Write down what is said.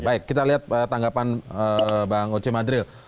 baik kita lihat tanggapan bang oce madril